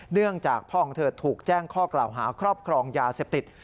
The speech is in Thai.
เนื่องจากพ่อของเธอถูกแจ้งข้อกล่าวหาครอบครองยาเสพติด